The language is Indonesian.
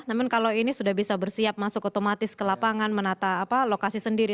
namun kalau ini sudah bisa bersiap masuk otomatis ke lapangan menata lokasi sendiri